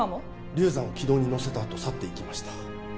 龍山を軌道に乗せたあと去っていきました